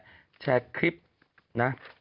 คลิปไหนครับคุณแม่